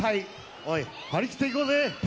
おい、張り切っていこうぜ！